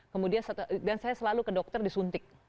kemudian dan saya selalu ke dokter disuntik